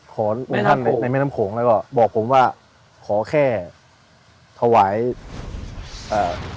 ขอในขอในแม่น้ำโขงแล้วก็บอกผมว่าขอแค่ถวายอ่า